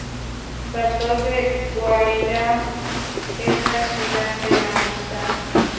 Salto del Guaira es la ciudad de la amistad.